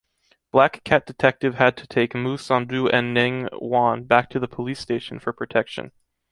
Black Cat Detective had to take Mou Sandu and Neng Yuan back to the police station for protection.